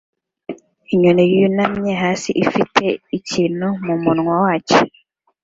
Inyoni yunamye hasi ifite ikintu mumunwa wacyo